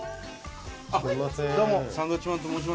あっどうもサンドウィッチマンと申します。